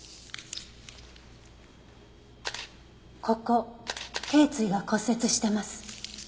ここ頸椎が骨折してます。